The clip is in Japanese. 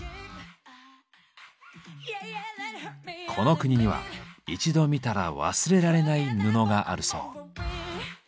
この国には一度見たら忘れられない布があるそう。